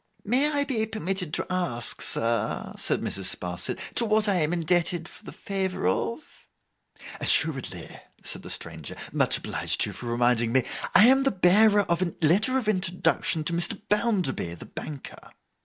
'May I be permitted to ask, sir,' said Mrs. Sparsit, 'to what I am indebted for the favour of—' 'Assuredly,' said the stranger. 'Much obliged to you for reminding me. I am the bearer of a letter of introduction to Mr. Bounderby, the banker.